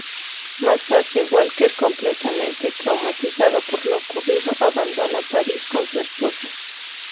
Más tarde Walker, completamente traumatizado por lo ocurrido, abandona París con su esposa.